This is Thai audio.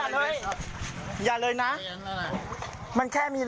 ก็แค่มีเรื่องเดียวให้มันพอแค่นี้เถอะ